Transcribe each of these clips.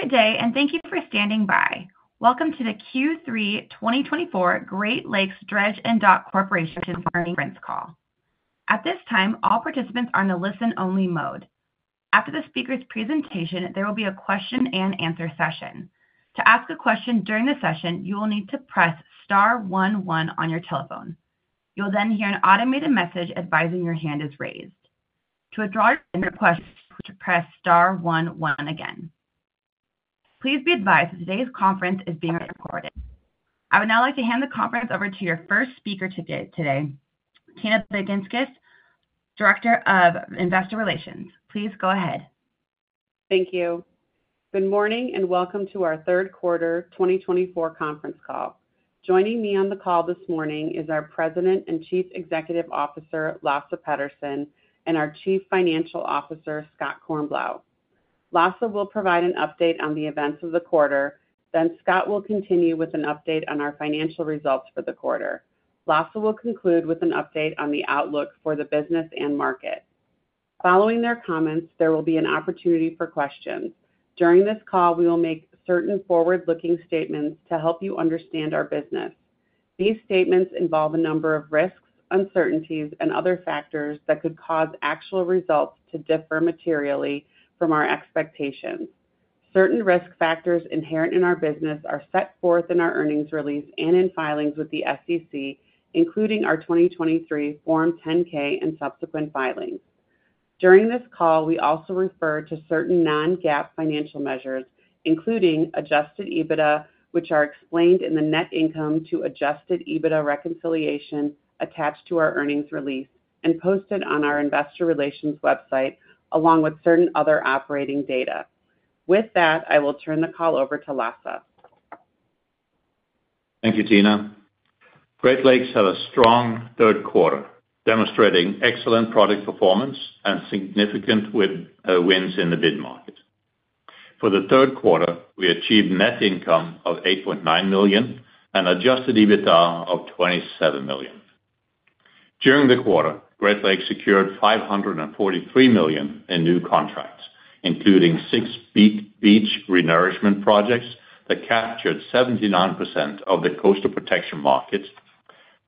Good day, and thank you for standing by. Welcome to the Q3 2024 Great Lakes Dredge & Dock Corporation Earnings Call. At this time, all participants are in the listen-only mode. After the speaker's presentation, there will be a question-and-answer session. To ask a question during the session, you will need to press Star 11 on your telephone. You'll then hear an automated message advising your hand is raised. To withdraw your question, press Star 11 again. Please be advised that today's conference is being recorded. I would now like to hand the conference over to your first speaker today, Tina Baginskis, Director of Investor Relations. Please go ahead. Thank you. Good morning and welcome to our third quarter 2024 conference call. Joining me on the call this morning is our President and Chief Executive Officer, Lasse Petterson, and our Chief Financial Officer, Scott Kornblau. Lasse will provide an update on the events of the quarter, then Scott will continue with an update on our financial results for the quarter. Lasse will conclude with an update on the outlook for the business and market. Following their comments, there will be an opportunity for questions. During this call, we will make certain forward-looking statements to help you understand our business. These statements involve a number of risks, uncertainties, and other factors that could cause actual results to differ materially from our expectations. Certain risk factors inherent in our business are set forth in our earnings release and in filings with the SEC, including our 2023 Form 10-K and subsequent filings. During this call, we also refer to certain non-GAAP financial measures, including Adjusted EBITDA, which are explained in the net income to Adjusted EBITDA reconciliation attached to our earnings release and posted on our investor relations website, along with certain other operating data. With that, I will turn the call over to Lasse. Thank you, Tina. Great Lakes had a strong third quarter, demonstrating excellent product performance and significant wins in the bid market. For the third quarter, we achieved net income of $8.9 million and Adjusted EBITDA of $27 million. During the quarter, Great Lakes secured $543 million in new contracts, including six beach renourishment projects that captured 79% of the coastal protection market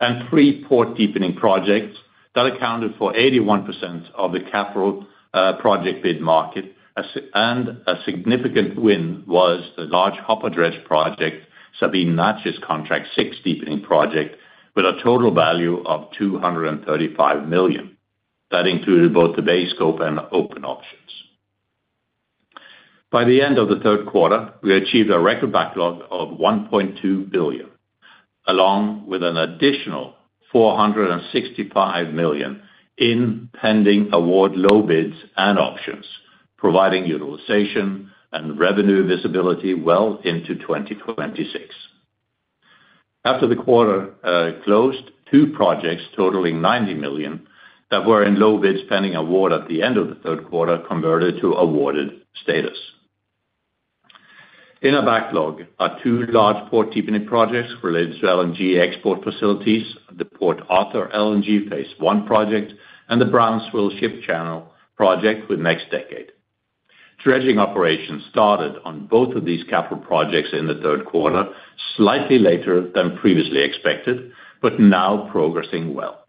and three port deepening projects that accounted for 81% of the capital project bid market, and a significant win was the large Hopper Dredge project, Sabine-Neches Contract Six deepening project with a total value of $235 million. That included both the bay scope and open options. By the end of the third quarter, we achieved a record backlog of $1.2 billion, along with an additional $465 million in pending award low bids and options, providing utilization and revenue visibility well into 2026. After the quarter closed, two projects totaling $90 million that were in low bids pending award at the end of the third quarter converted to awarded status. In our backlog are two large port deepening projects related to LNG export facilities, the Port Arthur LNG Phase One project, and the Brownsville Ship Channel project with NextDecade. Dredging operations started on both of these capital projects in the third quarter slightly later than previously expected, but now progressing well.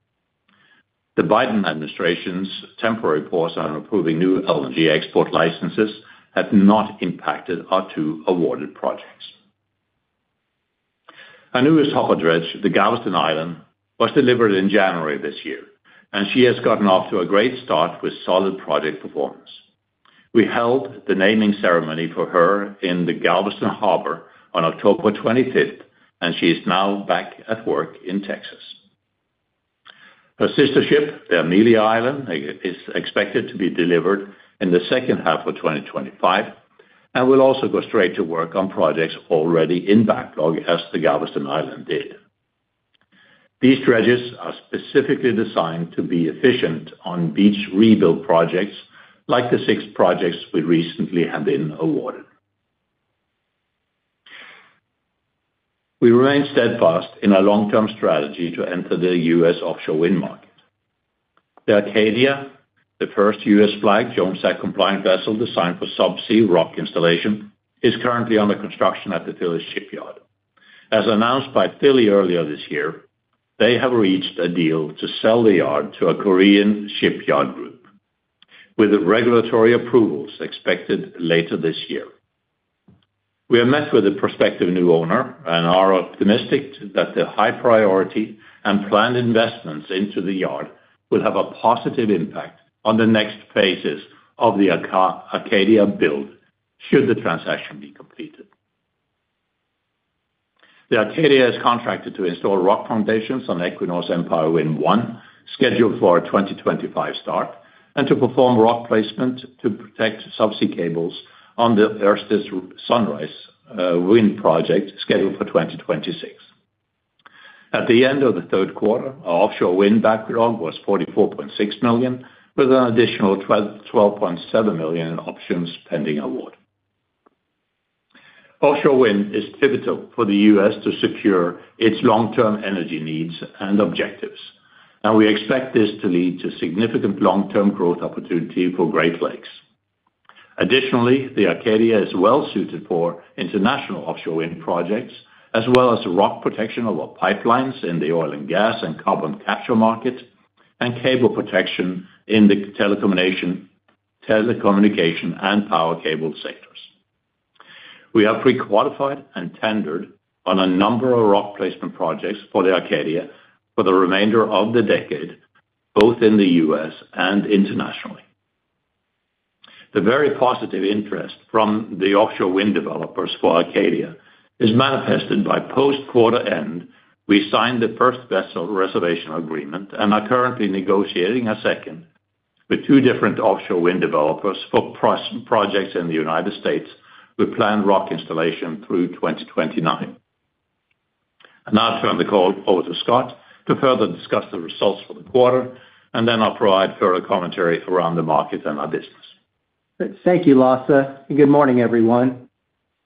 The Biden administration's temporary pause on approving new LNG export licenses has not impacted our two awarded projects. Our newest Hopper Dredge, the Galveston Island, was delivered in January this year, and she has gotten off to a great start with solid project performance. We held the naming ceremony for her in the Galveston Harbor on October 25th, and she is now back at work in Texas. Her sister ship, the Amelia Island, is expected to be delivered in the second half of 2025 and will also go straight to work on projects already in backlog, as the Galveston Island did. These dredges are specifically designed to be efficient on beach renourishment projects like the six projects we recently have been awarded. We remain steadfast in our long-term strategy to enter the U.S. offshore wind market. The Acadia, the first U.S. flagged Jones Act compliant vessel designed for subsea rock installation, is currently under construction at the Philly Shipyard. As announced by Philly earlier this year, they have reached a deal to sell the yard to a Korean shipyard group with regulatory approvals expected later this year. We have met with the prospective new owner and are optimistic that the high priority and planned investments into the yard will have a positive impact on the next phases of the Acadia build should the transaction be completed. The Acadia is contracted to install rock foundations on Equinor's Empire Wind 1, scheduled for a 2025 start, and to perform rock placement to protect subsea cables on the Ørsted's Sunrise Wind project scheduled for 2026. At the end of the third quarter, our offshore wind backlog was $44.6 million, with an additional $12.7 million in options pending award. Offshore wind is pivotal for the U.S. to secure its long-term energy needs and objectives, and we expect this to lead to significant long-term growth opportunity for Great Lakes. Additionally, the Acadia is well suited for international offshore wind projects, as well as the rock protection of our pipelines in the oil and gas and carbon capture market and cable protection in the telecommunication and power cable sectors. We have pre-qualified and tendered on a number of rock placement projects for the Acadia for the remainder of the decade, both in the U.S. and internationally. The very positive interest from the offshore wind developers for Acadia is manifested by post-quarter end. We signed the first vessel reservation agreement and are currently negotiating a second with two different offshore wind developers for projects in the United States with planned rock installation through 2029, and now I'll turn the call over to Scott to further discuss the results for the quarter, and then I'll provide further commentary around the market and our business. Thank you, Lasse. Good morning, everyone.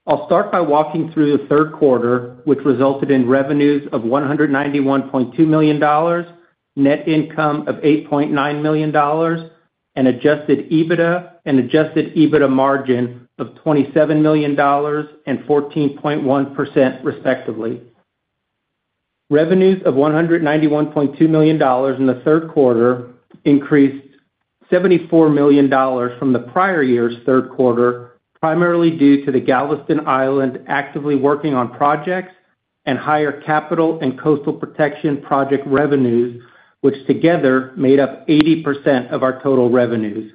I'll start by walking through the third quarter, which resulted in revenues of $191.2 million, net income of $8.9 million, and adjusted EBITDA and adjusted EBITDA margin of $27 million and 14.1%, respectively. Revenues of $191.2 million in the third quarter increased $74 million from the prior year's third quarter, primarily due to the Galveston Island actively working on projects and higher capital and coastal protection project revenues, which together made up 80% of our total revenues.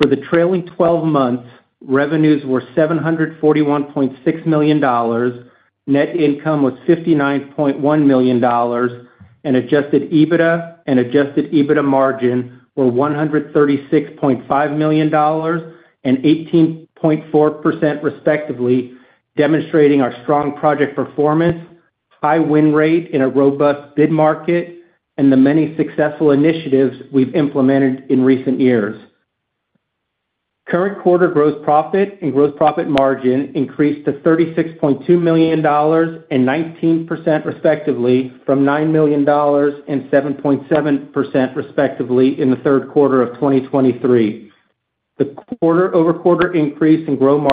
For the trailing 12 months, revenues were $741.6 million, net income was $59.1 million, and adjusted EBITDA and adjusted EBITDA margin were $136.5 million and 18.4%, respectively, demonstrating our strong project performance, high win rate in a robust bid market, and the many successful initiatives we've implemented in recent years. Current quarter gross profit and gross profit margin increased to $36.2 million and 19%, respectively, from $9 million and 7.7%, respectively, in the third quarter of 2023. The quarter-over-quarter increase in gross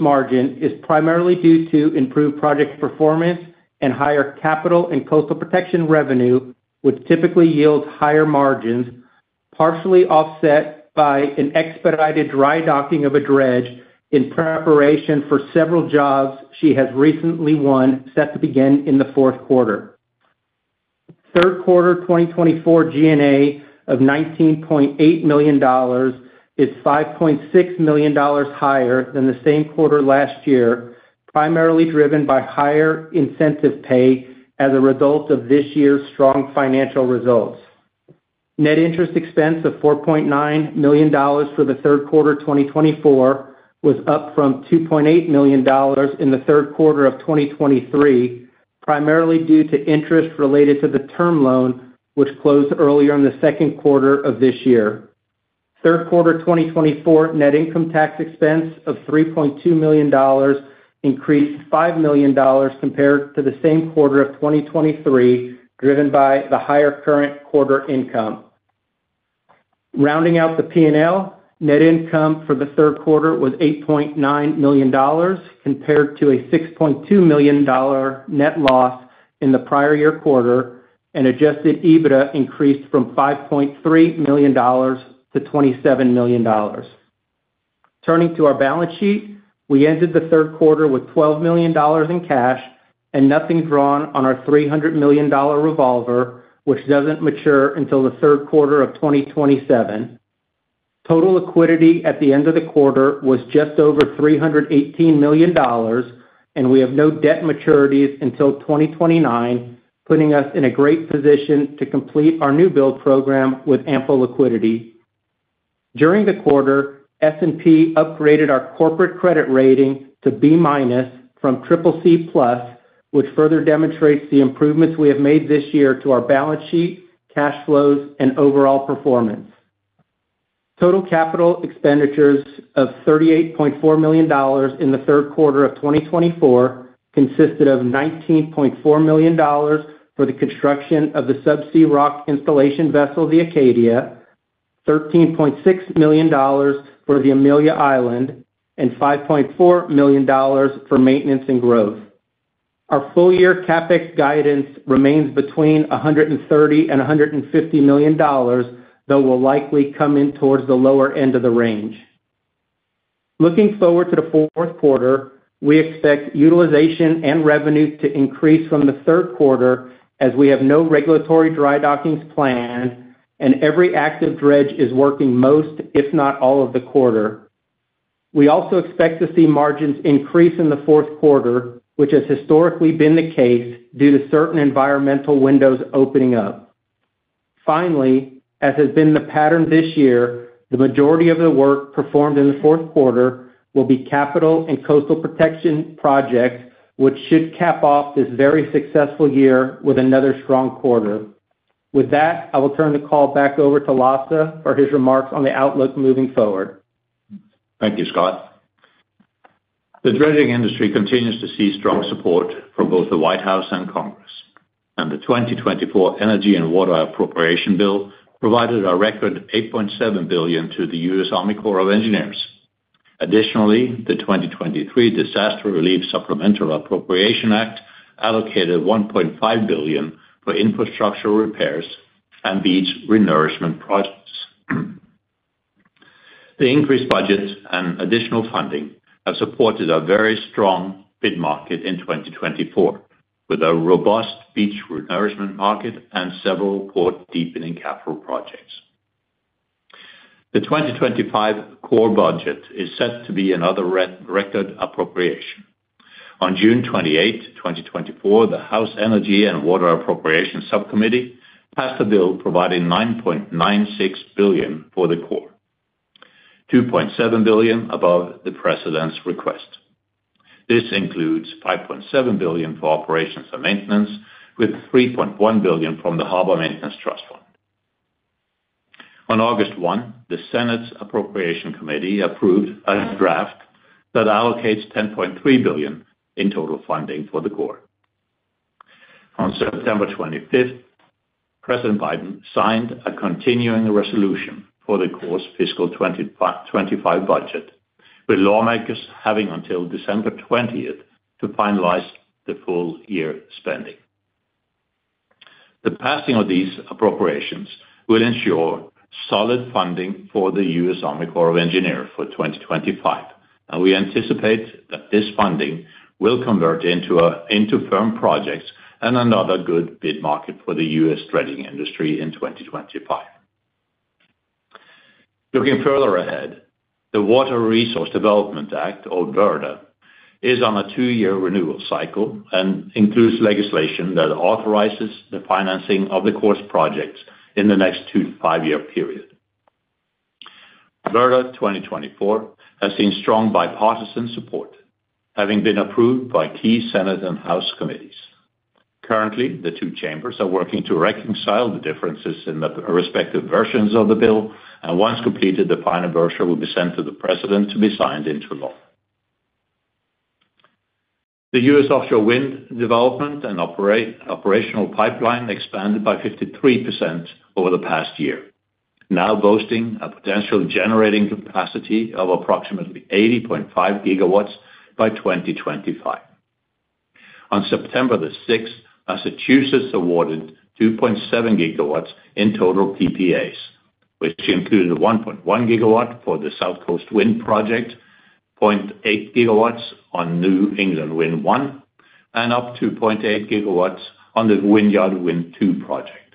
margin is primarily due to improved project performance and higher capital and coastal protection revenue, which typically yields higher margins, partially offset by an expedited dry docking of a dredge in preparation for several jobs she has recently won, set to begin in the fourth quarter. Third quarter 2024 G&A of $19.8 million is $5.6 million higher than the same quarter last year, primarily driven by higher incentive pay as a result of this year's strong financial results. Net interest expense of $4.9 million for the third quarter 2024 was up from $2.8 million in the third quarter of 2023, primarily due to interest related to the term loan, which closed earlier in the second quarter of this year. Third quarter 2024 net income tax expense of $3.2 million increased $5 million compared to the same quarter of 2023, driven by the higher current quarter income. Rounding out the P&L, net income for the third quarter was $8.9 million compared to a $6.2 million net loss in the prior year quarter, and Adjusted EBITDA increased from $5.3 million to $27 million. Turning to our balance sheet, we ended the third quarter with $12 million in cash and nothing drawn on our $300 million revolver, which doesn't mature until the third quarter of 2027. Total liquidity at the end of the quarter was just over $318 million, and we have no debt maturities until 2029, putting us in a great position to complete our new build program with ample liquidity. During the quarter, S&P upgraded our corporate credit rating to B minus from CCC plus, which further demonstrates the improvements we have made this year to our balance sheet, cash flows, and overall performance. Total capital expenditures of $38.4 million in the third quarter of 2024 consisted of $19.4 million for the construction of the subsea rock installation vessel, the Acadia, $13.6 million for the Amelia Island, and $5.4 million for maintenance and growth. Our full-year CapEx guidance remains between $130 and $150 million, though will likely come in towards the lower end of the range. Looking forward to the fourth quarter, we expect utilization and revenue to increase from the third quarter as we have no regulatory dry dockings planned, and every active dredge is working most, if not all, of the quarter. We also expect to see margins increase in the fourth quarter, which has historically been the case due to certain environmental windows opening up. Finally, as has been the pattern this year, the majority of the work performed in the fourth quarter will be capital and coastal protection projects, which should cap off this very successful year with another strong quarter. With that, I will turn the call back over to Lasse for his remarks on the outlook moving forward. Thank you, Scott. The dredging industry continues to see strong support from both the White House and Congress, and the 2024 Energy and Water Appropriation Bill provided a record $8.7 billion to the U.S. Army Corps of Engineers. Additionally, the 2023 Disaster Relief Supplemental Appropriation Act allocated $1.5 billion for infrastructure repairs and beach re-nourishment projects. The increased budget and additional funding have supported a very strong bid market in 2024, with a robust beach re-nourishment market and several port deepening capital projects. The 2025 Corps budget is set to be another record appropriation. On June 28, 2024, the House Energy and Water Appropriation Subcommittee passed a bill providing $9.96 billion for the Corps, $2.7 billion above the president's request. This includes $5.7 billion for operations and maintenance, with $3.1 billion from the Harbor Maintenance Trust Fund. On August 1, the Senate's Appropriations Committee approved a draft that allocates $10.3 billion in total funding for the Corps. On September 25th, President Biden signed a continuing resolution for the Corps's fiscal 2025 budget, with lawmakers having until December 20th to finalize the full-year spending. The passing of these appropriations will ensure solid funding for the U.S. Army Corps of Engineers for 2025, and we anticipate that this funding will convert into firm projects and another good bid market for the U.S. dredging industry in 2025. Looking further ahead, the Water Resources Development Act, or WRDA, is on a two-year renewal cycle and includes legislation that authorizes the financing of the Corps's projects in the next two to five-year period. WRDA 2024 has seen strong bipartisan support, having been approved by key Senate and House committees. Currently, the two chambers are working to reconcile the differences in the respective versions of the bill, and once completed, the final version will be sent to the president to be signed into law. The U.S. offshore wind development and operational pipeline expanded by 53% over the past year, now boasting a potential generating capacity of approximately 80.5 gigawatts by 2025. On September the 6th, Massachusetts awarded 2.7 gigawatts in total PPAs, which included 1.1 gigawatts for the SouthCoast Wind Project, 0.8 gigawatts on New England Wind 1, and up to 0.8 gigawatts on the Vineyard Wind 2 project,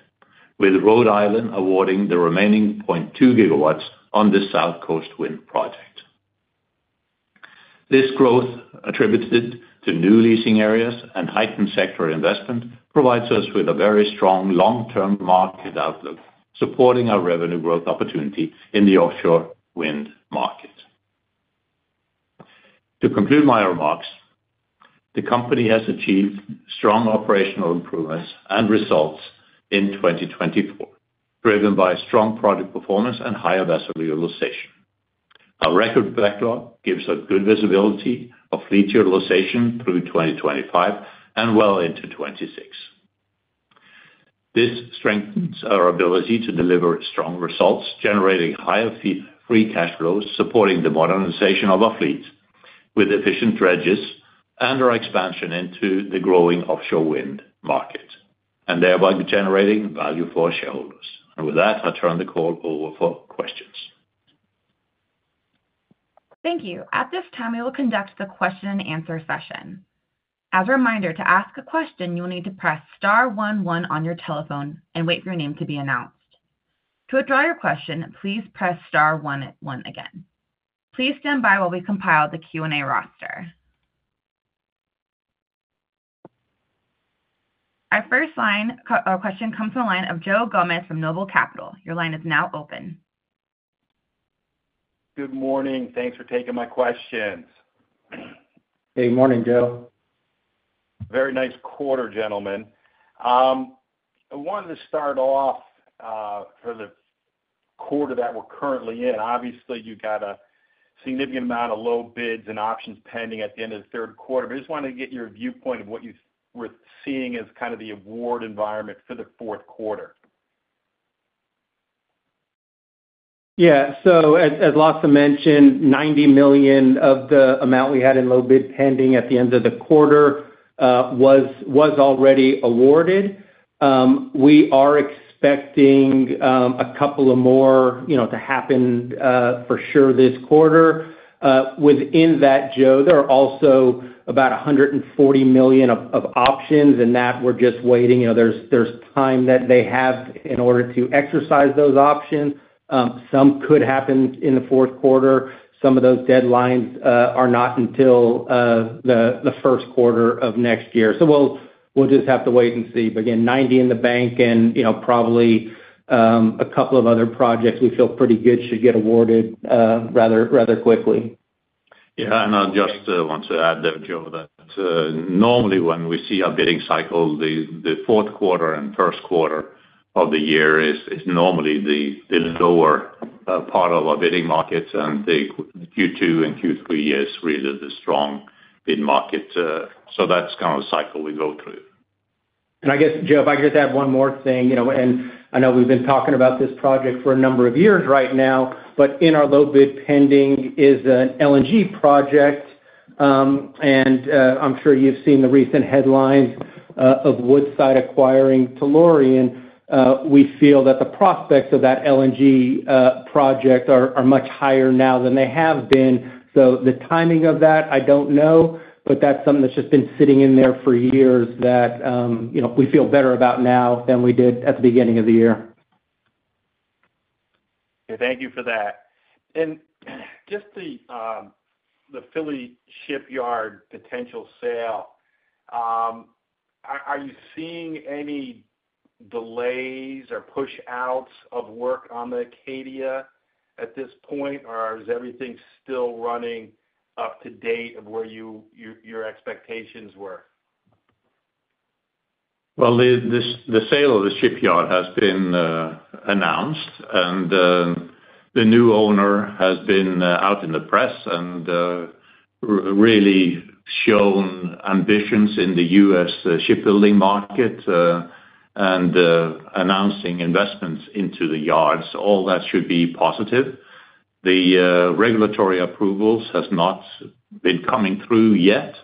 with Rhode Island awarding the remaining 0.2 gigawatts on the SouthCoast Wind Project. This growth, attributed to new leasing areas and heightened sector investment, provides us with a very strong long-term market outlook, supporting our revenue growth opportunity in the offshore wind market. To conclude my remarks, the company has achieved strong operational improvements and results in 2024, driven by strong project performance and higher vessel utilization. Our record backlog gives us good visibility of fleet utilization through 2025 and well into 2026. This strengthens our ability to deliver strong results, generating higher free cash flows, supporting the modernization of our fleet with efficient dredges and our expansion into the growing offshore wind market, and thereby generating value for our shareholders. And with that, I turn the call over for questions. Thank you. At this time, we will conduct the question-and-answer session. As a reminder, to ask a question, you'll need to press star 11 on your telephone and wait for your name to be announced. To withdraw your question, please press star 11 again. Please stand by while we compile the Q&A roster. Our first question comes from a line of Joe Gomes from Noble Capital. Your line is now open. Good morning. Thanks for taking my questions. Hey, morning, Joe. Very nice quarter, gentlemen. I wanted to start off for the quarter that we're currently in. Obviously, you've got a significant amount of low bids and options pending at the end of the third quarter, but I just wanted to get your viewpoint of what you were seeing as kind of the award environment for the fourth quarter? Yeah. So, as Lasse mentioned, $90 million of the amount we had in low bid pending at the end of the quarter was already awarded. We are expecting a couple of more to happen for sure this quarter. Within that, Joe, there are also about $140 million of options, and that we're just waiting. There's time that they have in order to exercise those options. Some could happen in the fourth quarter. Some of those deadlines are not until the first quarter of next year. So we'll just have to wait and see. But again, $90 million in the bank and probably a couple of other projects we feel pretty good should get awarded rather quickly. Yeah. And I just want to add there, Joe, that normally when we see our bidding cycle, the fourth quarter and first quarter of the year is normally the lower part of our bidding markets, and the Q2 and Q3 years really are the strong bid market. So that's kind of the cycle we go through. And I guess, Joe, if I could just add one more thing. And I know we've been talking about this project for a number of years right now, but in our low bid pending is an LNG project. And I'm sure you've seen the recent headlines of Woodside acquiring Tellurian. We feel that the prospects of that LNG project are much higher now than they have been. So the timing of that, I don't know, but that's something that's just been sitting in there for years that we feel better about now than we did at the beginning of the year. Thank you for that. And just the Philly Shipyard potential sale, are you seeing any delays or push-outs of work on the Acadia at this point, or is everything still running up to date of where your expectations were? The sale of the shipyard has been announced, and the new owner has been out in the press and really shown ambitions in the U.S. shipbuilding market and announcing investments into the yards. All that should be positive. The regulatory approvals have not been coming through yet.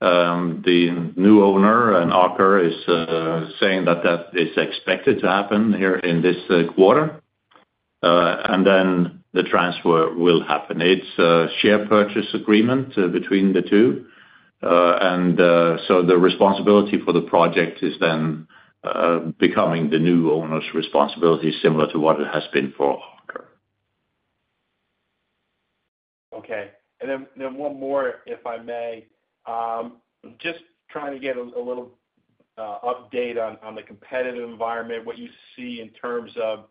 The new owner, and Aker, is saying that that is expected to happen here in this quarter, and then the transfer will happen. It's a share purchase agreement between the two, and so the responsibility for the project is then becoming the new owner's responsibility, similar to what it has been for Aker. Okay, and then one more, if I may. Just trying to get a little update on the competitive environment, what you see in terms of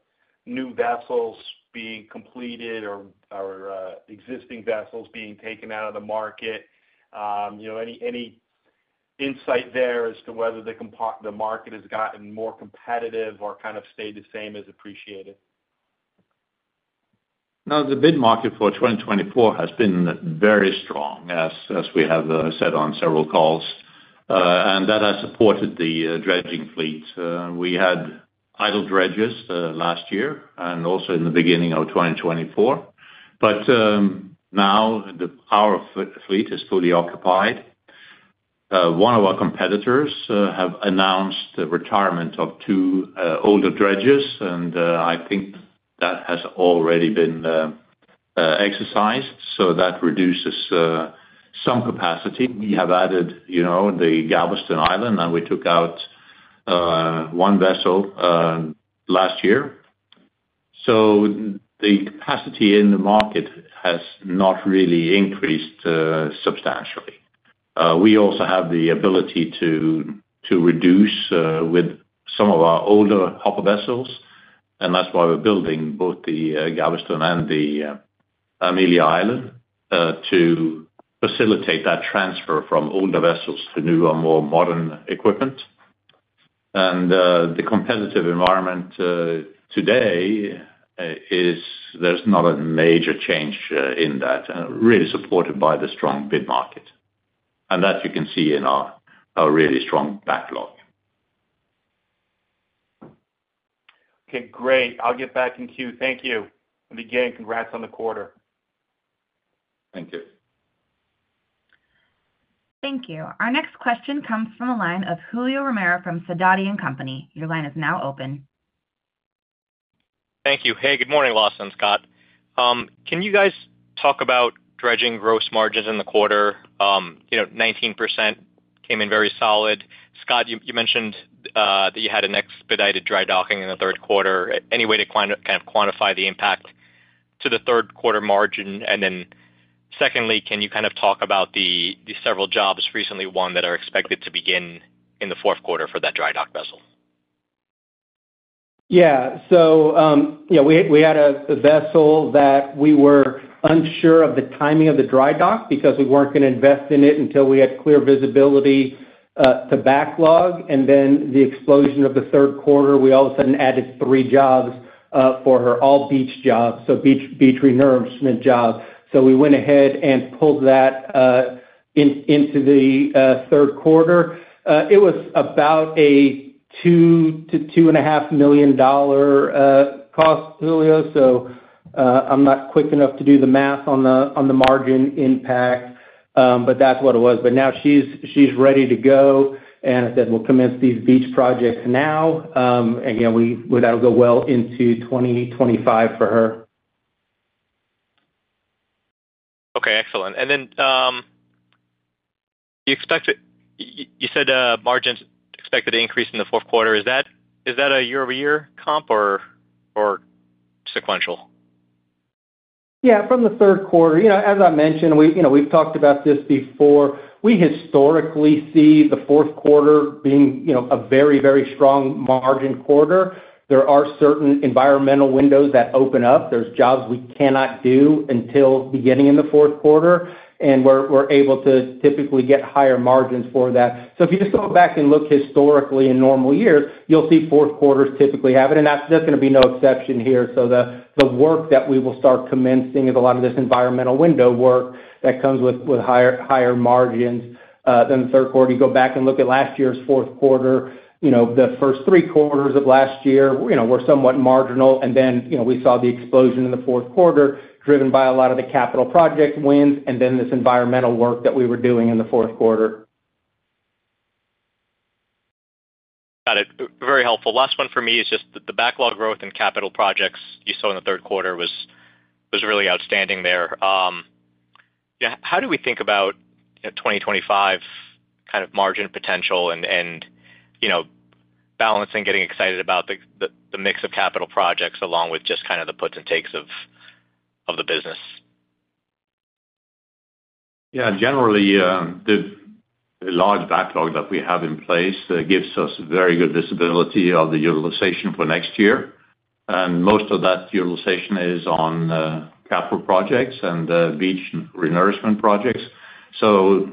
new vessels being completed or existing vessels being taken out of the market. Any insight there as to whether the market has gotten more competitive or kind of stayed the same? I appreciate it. No, the bid market for 2024 has been very strong, as we have said on several calls, and that has supported the dredging fleet. We had idle dredges last year and also in the beginning of 2024. But now the dredge fleet is fully occupied. One of our competitors has announced the retirement of two older dredges, and I think that has already been exercised. So that reduces some capacity. We have added the Galveston Island, and we took out one vessel last year. So the capacity in the market has not really increased substantially. We also have the ability to reduce with some of our older hopper vessels, and that's why we're building both the Galveston and the Amelia Island to facilitate that transfer from older vessels to newer and more modern equipment. The competitive environment today is there's not a major change in that, really supported by the strong bid market. That you can see in our really strong backlog. Okay. Great. I'll get back in queue. Thank you, and again, congrats on the quarter. Thank you. Thank you. Our next question comes from a line of Julio Romero from Sidoti & Company. Your line is now open. Thank you. Hey, good morning, Lasse and Scott. Can you guys talk about dredging gross margins in the quarter? 19% came in very solid. Scott, you mentioned that you had an expedited dry docking in the third quarter. Any way to kind of quantify the impact to the third quarter margin? And then secondly, can you kind of talk about the several jobs recently won that are expected to begin in the fourth quarter for that dry dock vessel? Yeah, so we had a vessel that we were unsure of the timing of the dry dock because we weren't going to invest in it until we had clear visibility to backlog, and then the explosion of the third quarter, we all of a sudden added three jobs for her, all beach jobs, so beach renourishment jobs, so we went ahead and pulled that into the third quarter. It was about a $2-$2.5 million cost, Julio, so I'm not quick enough to do the math on the margin impact, but that's what it was, but now she's ready to go, and I said, "We'll commence these beach projects now," and yeah, that'll go well into 2025 for her. Okay. Excellent. And then you said margins expected to increase in the fourth quarter. Is that a year-over-year comp or sequential? Yeah. From the third quarter, as I mentioned, we've talked about this before. We historically see the fourth quarter being a very, very strong margin quarter. There are certain environmental windows that open up. There's jobs we cannot do until beginning in the fourth quarter, and we're able to typically get higher margins for that. So if you just go back and look historically in normal years, you'll see fourth quarters typically have it. And that's going to be no exception here. So the work that we will start commencing is a lot of this environmental window work that comes with higher margins than the third quarter. You go back and look at last year's fourth quarter, the first three quarters of last year were somewhat marginal. And then we saw the explosion in the fourth quarter driven by a lot of the capital project wins, and then this environmental work that we were doing in the fourth quarter. Got it. Very helpful. Last one for me is just that the backlog growth in capital projects you saw in the third quarter was really outstanding there. How do we think about 2025 kind of margin potential and balancing getting excited about the mix of capital projects along with just kind of the puts and takes of the business? Yeah. Generally, the large backlog that we have in place gives us very good visibility of the utilization for next year. And most of that utilization is on capital projects and beach re-nourishment projects. So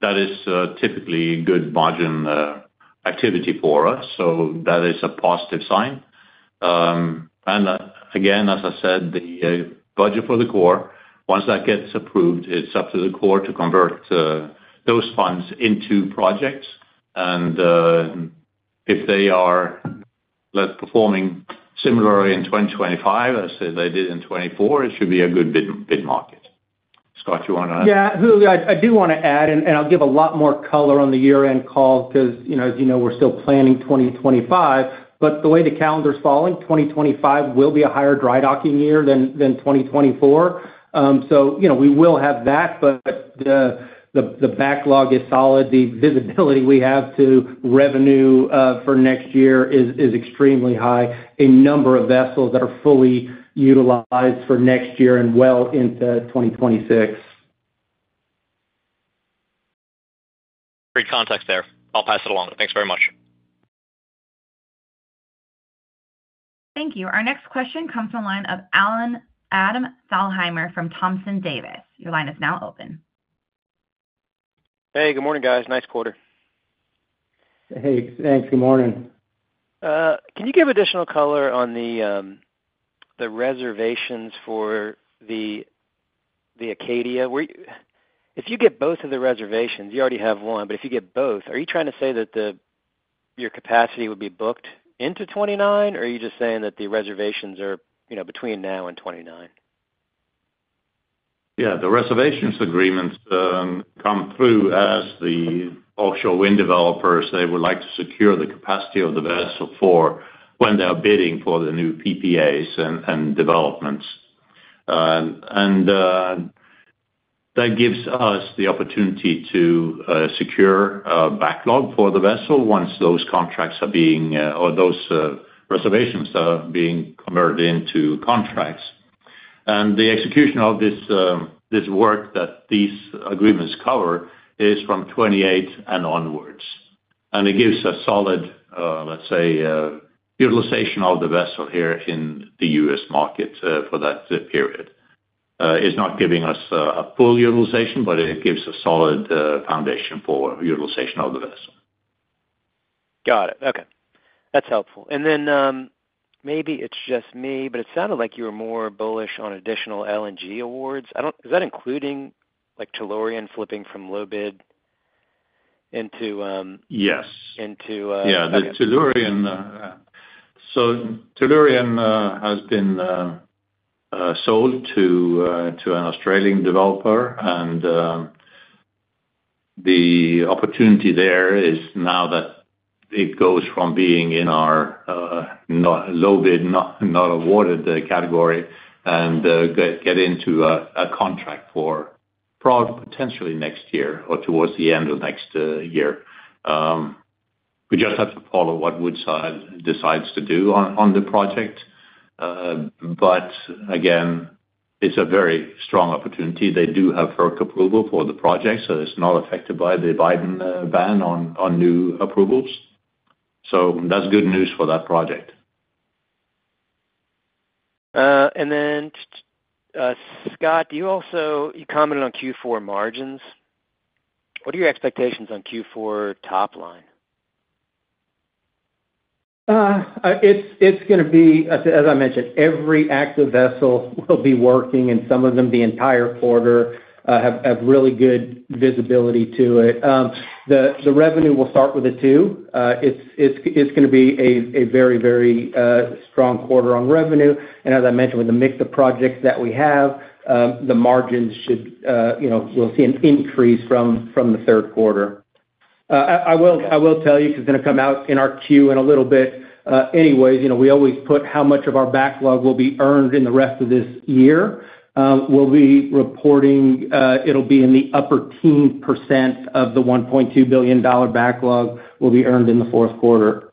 that is typically good margin activity for us. So that is a positive sign. And again, as I said, the budget for the Corps, once that gets approved, it's up to the Corps to convert those funds into projects. And if they are performing similarly in 2025 as they did in 2024, it should be a good bid market. Scott, you want to add? Yeah. I do want to add, and I'll give a lot more color on the year-end call because, as you know, we're still planning 2025, but the way the calendar's falling, 2025 will be a higher dry docking year than 2024, so we will have that, but the backlog is solid. The visibility we have to revenue for next year is extremely high. A number of vessels that are fully utilized for next year and well into 2026. Great context there. I'll pass it along. Thanks very much. Thank you. Our next question comes from a line of Adam Thalhimer from Thompson Davis. Your line is now open. Hey, good morning, guys. Nice quarter. Hey. Thanks. Good morning. Can you give additional color on the reservations for the Acadia? If you get both of the reservations, you already have one, but if you get both, are you trying to say that your capacity would be booked into 2029, or are you just saying that the reservations are between now and 2029? Yeah. The reservations agreements come through as the offshore wind developers. They would like to secure the capacity of the vessel for when they're bidding for the new PPAs and developments. And that gives us the opportunity to secure backlog for the vessel once those contracts are being or those reservations are being converted into contracts. And the execution of this work that these agreements cover is from 2028 and onwards. And it gives a solid, let's say, utilization of the vessel here in the U.S. market for that period. It's not giving us a full utilization, but it gives a solid foundation for utilization of the vessel. Got it. Okay. That's helpful. And then maybe it's just me, but it sounded like you were more bullish on additional LNG awards. Is that including Tellurian flipping from low bid into? Yes. Yeah. So Tellurian has been sold to an Australian developer, and the opportunity there is now that it goes from being in our low bid, not awarded category, and get into a contract for potentially next year or towards the end of next year. We just have to follow what Woodside decides to do on the project. But again, it's a very strong opportunity. They do have work approval for the project, so it's not affected by the Biden ban on new approvals. So that's good news for that project. Then, Scott, you commented on Q4 margins. What are your expectations on Q4 top line? It's going to be, as I mentioned, every active vessel will be working, and some of them the entire quarter have really good visibility to it. The revenue will start with a two. It's going to be a very, very strong quarter on revenue. And as I mentioned, with the mix of projects that we have, the margins should, we'll see, an increase from the third quarter. I will tell you because it's going to come out in our Q in a little bit. Anyways, we always put how much of our backlog will be earned in the rest of this year. We'll be reporting it'll be in the upper 10% of the $1.2 billion backlog will be earned in the fourth quarter.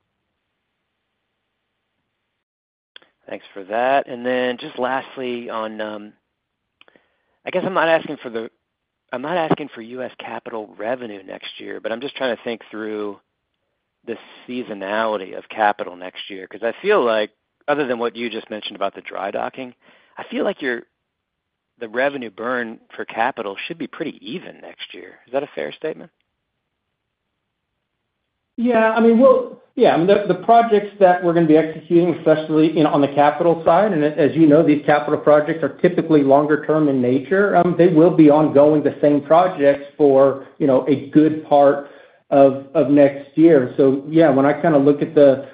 Thanks for that. And then just lastly, I guess I'm not asking for U.S. capital revenue next year, but I'm just trying to think through the seasonality of capital next year because I feel like, other than what you just mentioned about the dry docking, I feel like the revenue burn for capital should be pretty even next year. Is that a fair statement? Yeah. I mean, well, yeah. I mean, the projects that we're going to be executing, especially on the capital side, and as you know, these capital projects are typically longer-term in nature, they will be ongoing the same projects for a good part of next year. So yeah, when I kind of look at the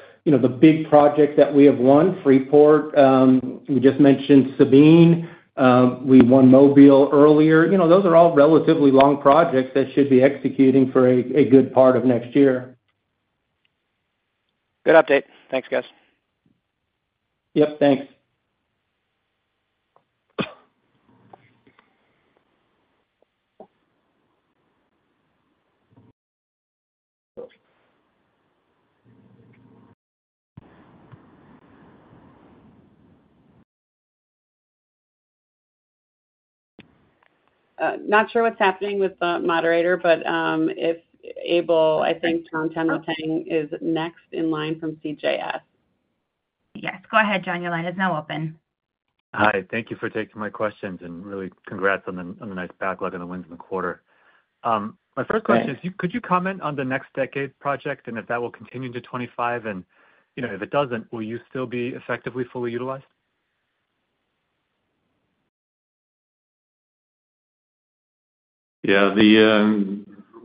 big projects that we have won, Freeport, we just mentioned Sabine. We won Mobile earlier. Those are all relatively long projects that should be executing for a good part of next year. Good update. Thanks, guys. Yep. Thanks. Not sure what's happening with the moderator, but if able, I think Jon Tanwanteng is next in line from CJS. Yes. Go ahead, Jon. Your line is now open. Hi. Thank you for taking my questions and really congrats on the nice backlog and the wins in the quarter. My first question is, could you comment on the NextDecade project and if that will continue into 2025? And if it doesn't, will you still be effectively fully utilized? Yeah.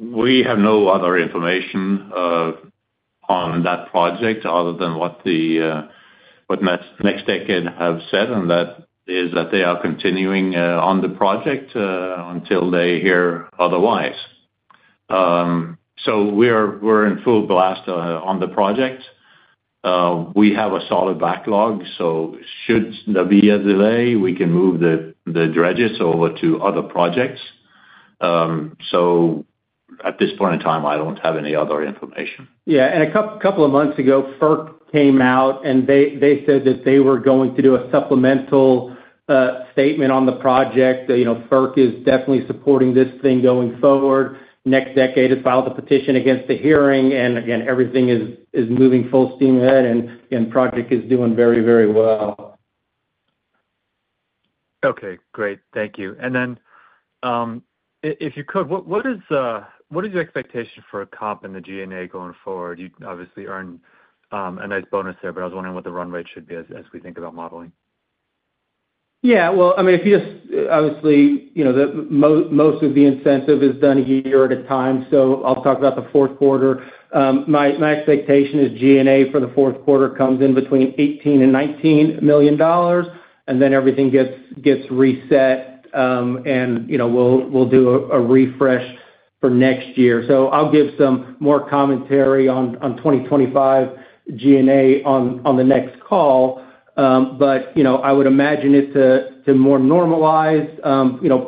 We have no other information on that project other than what NextDecade have said, and that is that they are continuing on the project until they hear otherwise. So we're in full blast on the project. We have a solid backlog. So should there be a delay, we can move the dredges over to other projects. So at this point in time, I don't have any other information. Yeah. And a couple of months ago, FERC came out, and they said that they were going to do a supplemental statement on the project. FERC is definitely supporting this thing going forward. NextDecade, it's filed a petition against the hearing, and again, everything is moving full steam ahead, and the project is doing very, very well. Okay. Great. Thank you. And then if you could, what is your expectation for a comp in the G&A going forward? You obviously earned a nice bonus there, but I was wondering what the run rate should be as we think about modeling. Yeah. Well, I mean, if you just obviously, most of the incentive is done a year at a time. So I'll talk about the fourth quarter. My expectation is G&A for the fourth quarter comes in between $18-$19 million, and then everything gets reset, and we'll do a refresh for next year. So I'll give some more commentary on 2025 G&A on the next call, but I would imagine it's more normalized,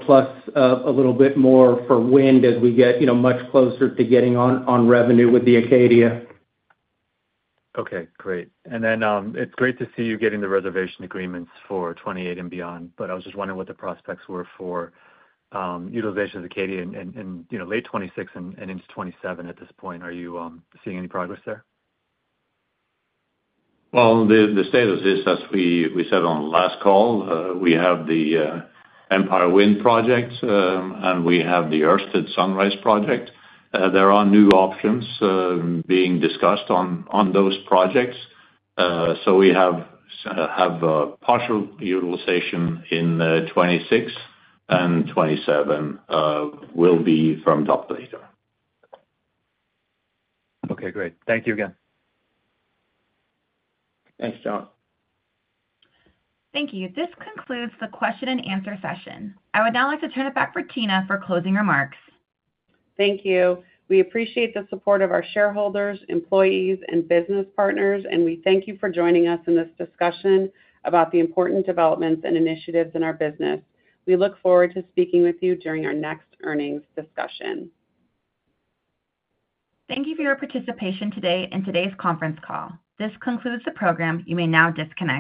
plus a little bit more for wind as we get much closer to getting on revenue with the Acadia. Okay. Great. And then it's great to see you getting the reservation agreements for 2028 and beyond, but I was just wondering what the prospects were for utilization of the Acadia in late 2026 and into 2027 at this point. Are you seeing any progress there? The state of this, as we said on the last call, we have the Empire Wind project, and we have the Ørsted Sunrise Wind project. There are new options being discussed on those projects. So we have partial utilization in 2026, and 2027 will be from the latter. Okay. Great. Thank you again. Thanks, John. Thank you. This concludes the question and answer session. I would now like to turn it back for Tina for closing remarks. Thank you. We appreciate the support of our shareholders, employees, and business partners, and we thank you for joining us in this discussion about the important developments and initiatives in our business. We look forward to speaking with you during our next earnings discussion. Thank you for your participation today in today's conference call. This concludes the program. You may now disconnect.